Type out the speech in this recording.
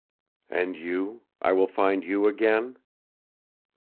"And you I will find you again?"